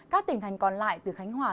các tỉnh thành còn lại từ khánh hòa